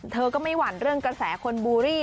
เธอก็ไม่หวั่นเรื่องกระแสคนบูรี่